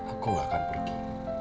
aku gak akan pergi